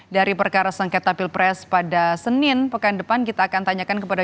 dari perkara sengketa pilpres pada senin pekan depan kita akan tanyakan kepada